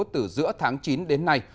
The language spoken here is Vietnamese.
từ giữa tháng chín đến nay